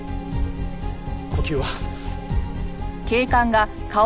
呼吸は。